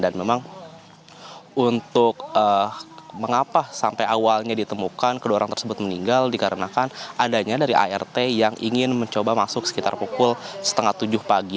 dan memang untuk mengapa sampai awalnya ditemukan kedua orang tersebut meninggal dikarenakan adanya dari art yang ingin mencoba masuk sekitar pukul setengah tujuh pagi